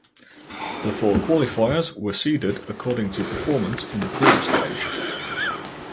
The four qualifiers were seeded according to performance in the pool stage.